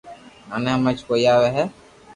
مني ھمج ڪوئي آوي ھي